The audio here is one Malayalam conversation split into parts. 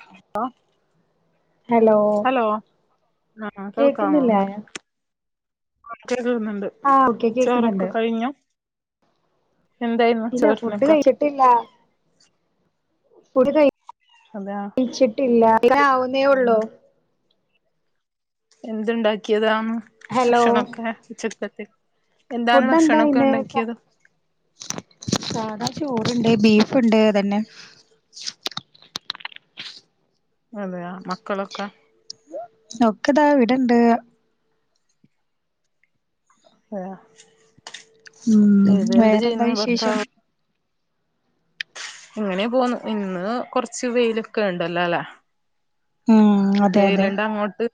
ഹലോ ഹലോ ആഹ് കേൾക്കാമോ കേക്കുന്നില്ലേ [unintelligible] ആഹ് ഓക്കെ ചോറൊക്കെ കേക്കുന്നുണ്ട് കയ്ഞ്ഞു ഇല്ല ഫുഡ്ഡ് കയ്ച്ചിട്ടില്ല ഫുഡ്ഡ് കയി അതാ ച്ചിട്ടില്ല ഇതാവുന്നേ ഒള്ളൂ എന്ത്ണ്ടാക്കിയതാ ഹലോ ഭക്ഷണൊക്കെ ഉച്ചക്കത്തെ എന്താണ് ഭക്ഷണൊക്കെ ഫുഡ്ഡെന്തായിന്ന് സ ഉണ്ടാക്കിയത് സാധാ ചോറ്ണ്ട് ബീഫ്ണ്ട് അതന്നെ അതേയാ മക്കളൊക്കെ ഒക്കെ താ ഇവടെണ്ട് ഹേ ഉം ഇതെന്ത് വേറെന്താ ചെയ്യുന്നു വിശേഷം ഭർത്താവ് ഇങ്ങനെ പോന്ന് ഇന്ന് കൊർച്ച് വെയിലൊക്കെ ണ്ടല്ലോ ല്ലേ ഉം അതെ അതെ വെയില്ണ്ടോ അങ്ങോട്ട്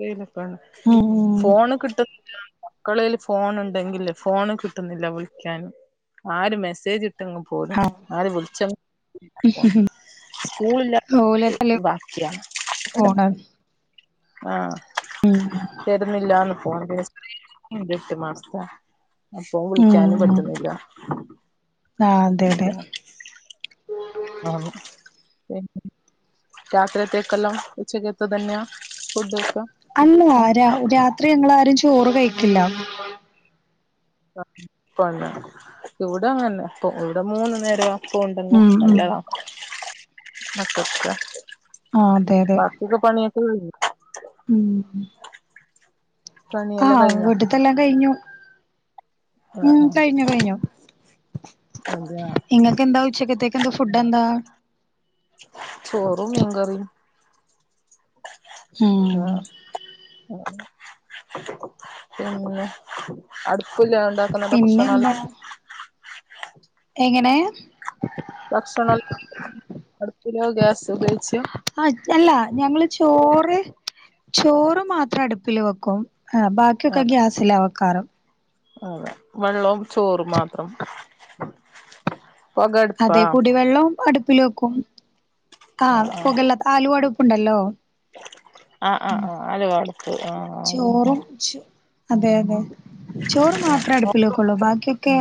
വെയിലൊക്കെണ്ട് ഉം ഉം ഫോണ് കിട്ട്മ്പോ മക്കളേൽ ഫോണ് ണ്ടെങ്കില് ഫോണ് കിട്ട്ന്നില്ല വിളിക്കാന് ആര് മെസ്സേജ് ഇട്ട പോലും ആഹ് ആര് വിളിച്ച സ്കൂളില്ല അപ്പ ഫുള്ള് ബാക്കിയാ ഫോണടിച്ച് ആഹ് തര്ന്നില്ലാന്ന് ഫോണ് തെ ട്ട് മാസാ ഫോൺ ഉം വിളിക്കാനും ഉം പറ്റ്ന്നില്ല ആഹ് അപ്പ അതെ അതെ പിന്നെ ആഹ് പിന്നെ രാത്രിയത്തേക്കെല്ലാം ഉച്ചക്കത്തെ തന്നെയാ ഫുഡ്ഡ് വെക്കാ അല്ല രാ രാത്രി ഞങ്ങളാരും ചോറ് കയ്ക്കില്ല പണ് ഇവടങ്ങന്നെ ഇവടെ മൂന്നു നേരം അപ്പൊണ്ടങ്കി ഉം ഉം നല്ലതാ മക്കക്ക ആഹ് അതെ അതെ തൊക്കെ പണ്യോക്കെ കൈഞ്ഞോ ഉം ഉം പണിയെല്ലാം ആഹ് കഴിഞ്ഞോ വീട്ട്ത്തെല്ലാം കൈഞ്ഞു ഉം ആഹ് ആഹ് കൈഞ്ഞു കൈഞ്ഞു അതെയ ഇങ്ങക്കെന്താ ഉച്ചക്കത്തെ ക്കെന്താ ഫുഡ്ഡെന്താ ചോറും മീങ്കറീം ഉം ആഹ് പിന്നെ അട്പ്പില്ലതോണ്ട പ്പ നല്ല കുടിച്ച്ണെ വെള്ളാ പിന്നെന്താ എങ്ങനെ ഭക്ഷണം അടുപ്പിലോ ഗ്യാസിലോ ഉപയോഗിച്ചാ ആഹ് അല്ല ഞങ്ങള് ചോറ് ചോറ് മാത്രം അടുപ്പില് വെക്കും ആഹ് ബാക്ക്യോക്കെ ആഹ് ഗ്യാസിലാ വെക്കാറ് അതെ വെള്ളോം ചോറും മാത്രം അതേ പൊകടുപ്പാ കൂടി വെള്ളോം അടുപ്പിൽ വെക്കും ആഹ് പുകയില്ലാത്ത ആലുവാ അടു പ്പ് ണ്ടല്ലോ ആഹ് ആഹ് ആഹ് ആലുവാ അടുപ്പ് ആഹ് ആഹ് ചോറും ച് അതെ അതെ ചോറ് മാത്രെ അടുപ്പില് വെക്കുള്ളു ബാക്കിക്കെ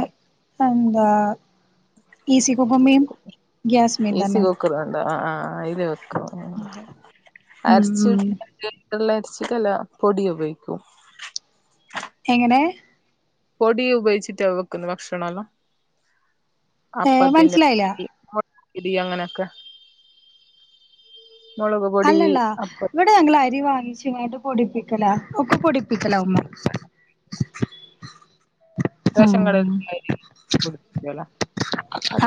എന്താ ഈസി കുക്കുമ്മേം ഗ്യാസ്മേം ഈസി തന്നെ കുക്ക്റുണ്ടോ ആ ആ അയ്ല് വെക്കും അതെ ഉം ഉം അര്ച്ചിട്ട്ള്ള അരച്ചിട്ടല്ല പൊടി ഉപയോഗിക്കും എങ്ങനെ പൊടി ഉപയോഗിച്ചിട്ടാ വെക്കുന്നു ഭക്ഷണല്ലോ ഏ അപ്പത്തിന്റെ മനസ്സിലായില്ല പൊടി ടി അങ്ങനെക്കെ മുളക് പൊടി അപ്പ വ്ടെ ഞങ്ങൾ അരി വാങ്ങിച്ങ്ങാണ്ട് പൊടിപ്പിക്കല ഒക്കെ പൊടിപ്പിക്കല ഉമ്മ റേഷൻ ഉം കടേൽത്തെ അരി പൊടിപ്പിക്കലാ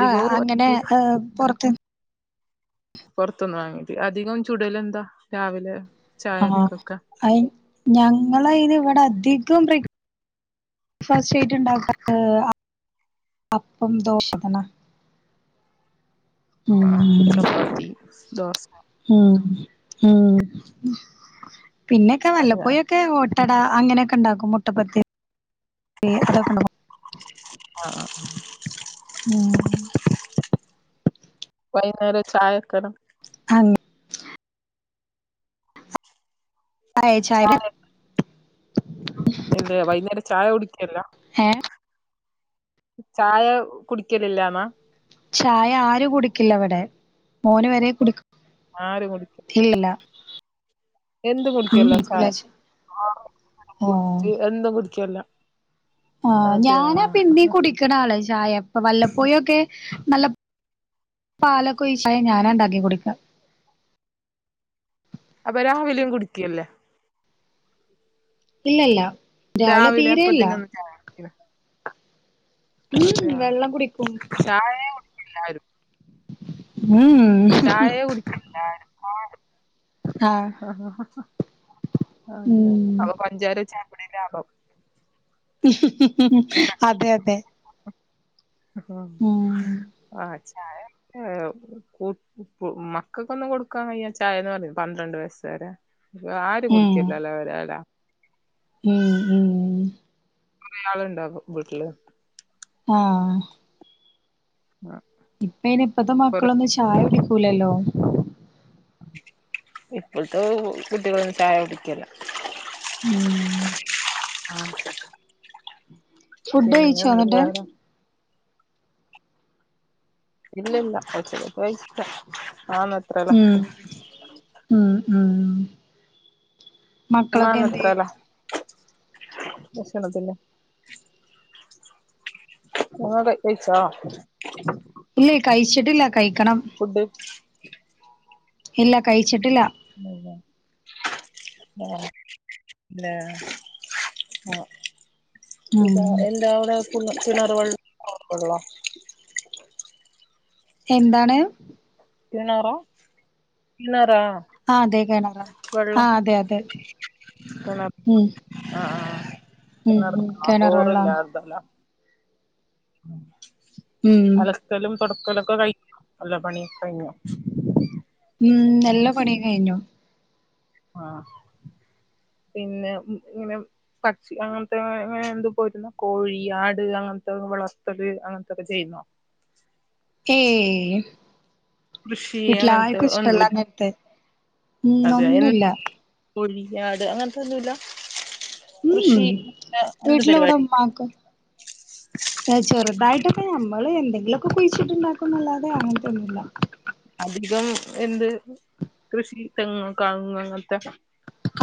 ആ അങ്ങനെ പൊറത്ത് [unintelligible] പൊറത്തന്ന് വാങ്ങീട്ട് അധികം ചുടല് എന്താ രാവിലെ ആ ചായക്കൊക്കെ അയ് ഞങ്ങള് അയ്‌ന് ഇവിടെ അധികം ബ്രേക് ഫാസ്റ്റ്റ്റായിട്ട് ഉണ്ടാക്ക അപ്പം ദോഷാ ണ് ഉം ആഹ് ചപ്പാത്തി ദോശ ഉം ഉം പിന്നെക്കെ ആ വല്ലപ്പോയൊക് ക്ക് ഓട്ടട അങ്ങനെക്കെണ്ടാക്കും മുട്ടപ്പത്തിരി അതൊക്കെണ്ടാക്കും ആഹ് ഉം വെയ്ന്നേരം ഒരു ചായ ക്കണം ആം ചായ ചായ ഇല്ലെ വൈകുന്നേരം ചായ കുടിക്കല്ല ഏ ചായ കുടിക്കലില്ലാന്ന ചായ ആരു കുടിക്കില്ല വ്ടെ മോന് വരെ കുടി ആരും കുടി ഇല്ലല്ലാ എന്തും കുടിക്കല്ല ചായ ആ ഓ [unintelligible] എന്തും കുടിക്കല്ല ആ അതെയ ഞാനാ പിന്നീ കുടിക്കണ ആള് ചായപ്പൊ വല്ലപ്പോഴൊക്കെ നല്ല പാലൊക്കെയിച് ഞാനാ ഇണ്ടാക്കി കുടിക്ക അപ്പൊ രാവിലിം കുടിക്കല്ലേ ഇല്ലല്ല രാവിലെ തീരെല്ല അപ്പത്തിനൊന്നും ചായ ഉം അതെ വെള്ളം കുടിക്കും ചായെ ഇല്ലാരും മ് ഹ് ചായേ കുടിക്കെല്ലാരും പാട് ആഹ് അഹ ഹ ഹാ അതെ ഉം അപ്പൊ പഞ്ചാര ചായപ്പൊടി ലാഭം അതെ അതെ ഹും ഉം അ ചായ ഏ കുട്ടി മക്കൾക്കൊന്നും കൊടുക്കാൻ വയ്യ ചായ ന്ന് പറയും പന്ത്രണ്ട് വയസ് വരെ ആരും ഉം കുടിക്കല്ലലെ പെരേല ഉം ഉം കൊറെ ആളുണ്ടോ പോ വീട്ടില് ആഹ് ആഹ് ഇപ്പയ്ന് ഇപ്പത്തെ മക്കളൊന്നും ചായ കുടിക്കൂലല്ലോ ഇപ്പൾത്തെ കുട്ടിൾ ചായ കുടിക്കല്ല ഉം ആ ഫുഡ് കഴിച്ചോ പിന്നെന്താ എന്നിട്ട് വേറെ ഇല്ലല്ല ഉച്ചക്കക്ക് [unintelligible] ആ അത്രെലാ ഉം ഉം ഉം മാൻ മക്കളൊക്കെ എന്തിയെ എത്രേലാ ഭക്ഷണത്തിന്റെ ങ്ങൾ കഴി കഴിച്ചേ ഇല്ലേ കഴിച്ചിട്ടില്ല കഴിക്കണം ഫുഡ് ഇല്ല കഴിച്ചിട്ടില്ല അത ആഹ ല്ലേ ആഹ ഉം ഇതാ എന്താ അവിടെ കിണ കിണർവള്ള പൈപ്ള്ള എന്താണ് കിണറോ കിണറാ ആ അതെ കാണാറാ വെള്ളം ആഹ അതെ അതെ ഉ ആഹ കിണർ ബബൂര്ല്ല വെള്ളം യർദല്ല [unintelligible] ഉം അലക്കലും തേടക്കലൊക്കെ കഴിക് എല്ല പണി കഴിഞ്ഞേ ഉം എല്ല പണി കഴിഞ്ഞു ആഹ പിന്നെ ഇങ്ങനെ പക്ഷി അങ്ങനത്തെങ്ങന എന് പോയിരുന് [unintelligible] കോഴി ആട് അങ്ങനത്തെ വളർത്തല് അങ്ങനത്തെൊക്കെ ചെയ്യുന്നോ ഏയ് കൃഷി വീട്ടില് അങ്ങനത്തെ ആർക്കും ഒന്നുല്ല ഇഷ്ടല്ലഞ്ഞിട്ട് ഉം അതെ എന്ത് ഒന്നുല്ല കോഴി ആട് അങ്ങനത്തെ ഒന്നുല്ല ഉം കൃഷി എന്ത് വീട്ടില ഇവിടെ പരിപാടി ഉമാക്കും ചെറുതായിട്ടൊക്കെ നമ്മള് എന്തെങ്കിലുക്കെ കുഴിച്ചിട്ടുണ്ടാക്കുംല്ലാതെ അങ്ങനത്തെന്നുല്ല അധികം എന്ത് കൃഷി തെങ്ങങ് കവുങ്ങ് അങ്ങനത്തെ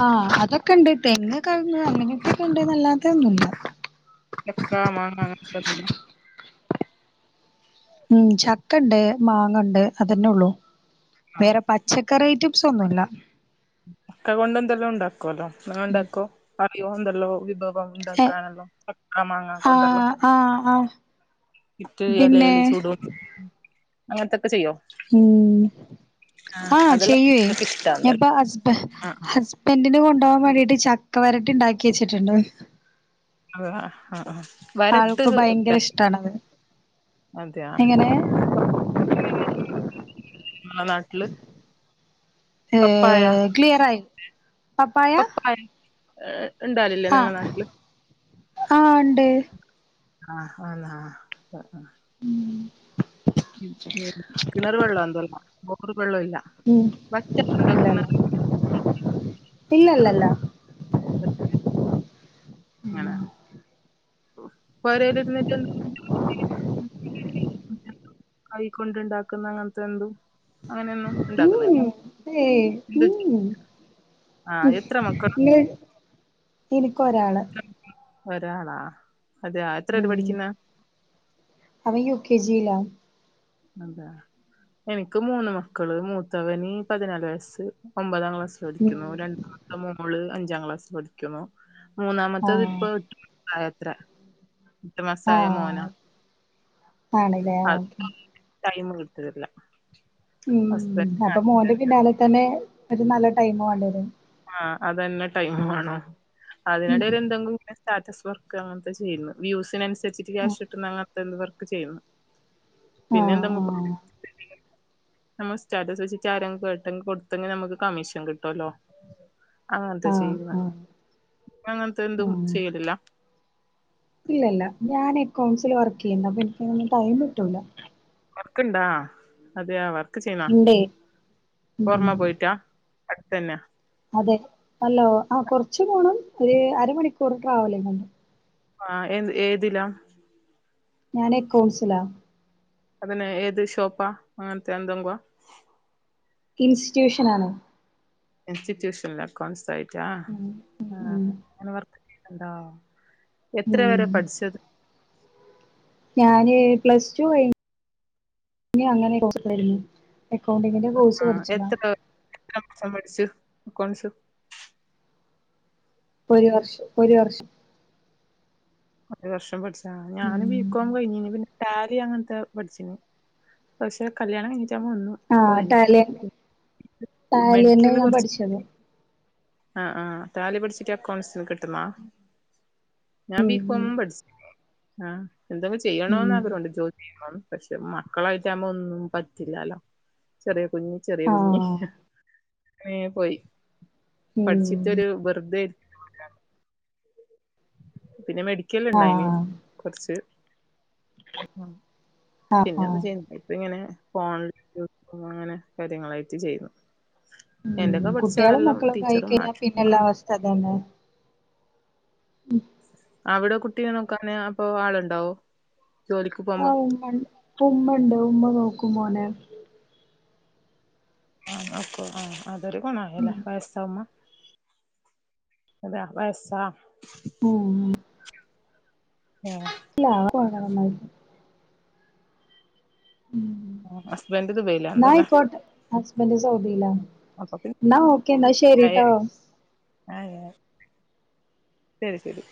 ആഹ അതൊക്കെ ഉണ്ട് തെങ്ങ് കവുങ്ങ് അങ്ങോട്ടൊക്കെ ഉണ്ട് നല്ലാത്ത ഒന്നുല്ല ചക്ക മാങ്ങന [unintelligible] ഉം ചക്ക ഇണ്ട് മാങ്ങ ഇണ്ട് അതന്നെ ഒള്ളു ആഹ് വേറെ പച്ച പച്ചക്കറി ഐറ്റംസ് ഒന്നുല്ല ചക്ക കൊണ്ട് എന്തല്ലാം ഉണ്ടാക്കുല്ലോ നിങ്ങൾ ഉണ്ടാക്കോ അറിയോ എന്തേലും വിഭവം ഉണ്ടാക്കാാനല്ലോ ചക്ക മാങ്ങാ കൊണ്ടല്ലോ ആഹ ആഹ [unintelligible] എലൽ ചൂടുംഅങ്ങനത്തൊക്കെ ചെയ്യോ ഉം ആഹ് അതെല്ലാം ചെയ്യേ ഒക്കെ ഞ ഇഷ്ടാണ് ഇപ്പോ ഹസ്ബ ആഹ് ആഹ് ഹസ്ബൻ ഫ്രണ്ടിന് കൊണ്ടപോകാൻ വേണ്ടിട്ട് ചക്ക വരട്ടി ഇണ്ടാക്കി വെച്ചിട്ട്ണ്ട് അ ആഹ ആഹ വരട്ട് ആൾക്ക് ഭയങ്കര ഇഷ്ടാണത് അതെയ എങ്ങനെ ന നാട്ടില് പപ്പായ ക്ലിയർ ആയി പപ്പായ ഇണ്ടാവലില്ലേ നിങ്ങളെ നാട്ടില് ആഹ ഇണ്ട് ആഹ ആഹ ആഹ ഉം ഉ കിണർ വെള്ളം അന്തല്ല ബോറ് [unintelligible] വെള്ളം ഇല്ല ഉം വറ്റൊക്കെണ്ടാക്കുന്ന ഇല്ല ചോറ് ഇല്ലല്ലല്ല [unintelligible] പൊരേല് ഇരുന്നിട്ട് കൈകൊണ്ട്ണ്ടാക്കുന്ന അങ്ങനത്തെ എന്തും അങ്ങനെന്നും ഇണ്ടാക്കുന്നില്ല ഏ ഉം ആ എത്ര മക്കളാ ഇനിക്ക് ഒരാൾ ഒരാളാ അതെയേ എത്രല ഉം പഠിക്കുന്നേ അവൻ യു കെ ജി യില അതെ എനിക്ക് മൂന്ന് മക്കള് മൂത്തവന് പതിനാല് വയസ്സ് ഒമ്പതാം ക്ലാസ്സിൽ പഠിക്കുന്നു ഉം രണ്ടാമത്തെ മോള് അഞ്ചാം ക്ലാസ്സിൽ പഠിക്കുന്നു [unintelligible] മൂന്നാമത്തത് ഇപ്പൊ ആഹ് ഏട്ടു മാസായത്രെ ഏട്ടു മാസായ മോന ആണ്ലെ ഓക്കെ ടൈം കിട്ടറില്ല ഉം അപ്പൊ മോന്റെ പിന്നാലെ തന്നെ ഒരു നല്ല ടൈമ് മണ്ടിരും ആ അതന്നെ ടൈം മണം ഉം അതിനിടൽ എന്തെങ്കിലും പിന്നെ സ്റ്റാറ്റസ് വർക്ക് അങ്ങനത്തെ ചെയ്യുന്ന് വ്യൂസിനനുരിച്ചിട്ട് ക്യാഷ് ആഹ് കിട്ടുന്ന അങ്ങനത്തെ എന്ത് വർക്ക് ചെയ്യും പിന്നെ എന്ത് നമ്മൾ സ്റ്റാറ്റസ് വെച്ചിട്ട് ആരെങ്കും കേട്ടെങ്കിൽ കൊടുത്തെങ്കിൽ നമുക്ക് കമ്മീഷൻ കിട്ടുമല്ലോ ആഹ് [unintelligible] ആഹ് ചെയ്യുന്നേ ആഹ് അങ്ങനത്തെ എന്തും ആഹ് ചെയ്യലില്ല ഇല്ലല്ല ഞാൻ അക്കൗണ്ട്സിൽ വർക്ക് ചെയ്യുന്നു അപ്പൊ എനിക്ക്തിനൊന്നും ടൈം കിട്ടൂല വർക്ക്ണ്ടാ അതെയോ വർക്ക് ചെയ്യുന്നാ ഇണ്ടേ ഉം പുറമേ പോയിട്ടാ. അട്ത്തന്നെ അതെ ഹല്ലോ ആ കുറച്ച്പോണം ഒരു അരമണിക്കൂർ ട്രാവലിംഗ്ണ്ട്. ആ എ ഏതിലാ ഞാന് അക്കൗൺസിലാ അത് തന്നെ ഏത് ഷോപ്പ അങ്ങനത്തെ എന്തങ്കോ ഇൻസ്റ്റിറ്റ്യൂഷൻ ആണ്. ഇൻസ്റ്റിറ്റ്യൂഷനിൽ അക്കൗണ്ട്സ് ആയിട്ടാ ഉം ആ ഉം അങ്ങനെ വർക്ക്കെക്കയുണ്ടോ എത്ര വരെ ഉം പഠിച്ചത് ഞാന് പ്ലസ് ടു കഴിഞ്ഞു അങ്ങനൊയിരുന്നു ആ എത്ര വർഷം പഠിച്ചു അക്കൗണ്ട്സ് ഒരു വർഷം ഒരു വർഷം ഒരു വർഷം പഠിച്ച ഞാനും ഉം ബികോം കഴിഞ്ഞീന് പിന്നെ റ്റാലി അങ്ങനത്തെ പഠിച്ചിനി പക്ഷെ കല്യാണം കഴിഞ്ഞിട്ടാവുമ്പോ ഒന്നും ആ പോയില്ല ടാലി തന്നെ ടാലി തന്നെ ഞാൻ പഠിച്ചതും ആ ആ ടാലി പഠിച്ചിട്ട് അൗണ്ട്സിൽ കിട്ട ആഹ് ഞാൻ ഉം ഉം ബീകോംമും പഠിച്ച് ആ എന്താ പഠിച്ചേ ചെയ്യണോന്ന് ഉം ആഗ്രഹുണ്ട് ജോലി ചെയ്യണോന്ന് പക്ഷെ മക്കളായിട്ട് ആകുമ്പോ ഒന്നും പറ്റില്ലല്ലോ ചെറിയ കുഞ്ഞ് ചെറിയ കുഞ്ഞ് ആഹ് ഇങ്ങനെ പോയി ഉം പഠിച്ചിട്ടൊരു വെറുതെ പിന്നെ മെഡിക്കല് ഉണ്ടായിന് ആഹ് കൊറച്ച് ആഹ് പിന്നെ ഒന്നും ആഹ് ചെയ്യുന്നില്ല ഇപ്പ ഇങ്ങനെ ഫോൺ അങ്ങനെ കാര്യങ്ങളായിട്ട് ചെയ്യുന്നു ഉം എന്റെയൊക്കെ പഠിച്ച കുട്ടികളും ആളെല്ലാം മക്കളും ഒക്കെ ആയി ടീച്ചറും കഴിഞ്ഞാൽ മാഷും പിന്നെല്ല അവസ്ഥ അതന്നെ ഉം അവിടെ കുട്ടിനെ നോക്കാന് അപ്പൊ ആളുണ്ടാവോ ജോലിക്ക് പോകുമ്പോ ആ ഉമ്മ ഉണ്ട് ഉമ്മ നോക്കും മോനെ ആ നോക്കൊ ആ അതൊരു ഗുണമാണല്ലേ ഉം വയസ്സാഉമമ എത്ര വയസാ മുന് ഏ ഇല്ല [unintelligible] [inaudible] ഹസ്ബൻഡ് ദുബൈയിലാണല്ലേ എന്നായിക്കോട്ടെ ഹസ്ബെന്റെ സൗദിയിലാണ് അപ്പൊ പിന്നെ എന്ന ഓക്കെ. ഓക്കേ എന്നാ ശെരിട്ടോ. ഹലോ? ശരി ശരി